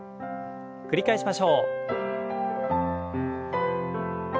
繰り返しましょう。